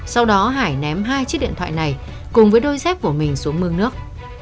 sau đó hải ném hai chiếc điện thoại này cùng với đôi dép của mình xuống mương nước